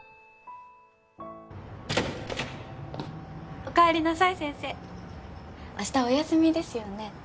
お帰りなさい先生明日お休みですよね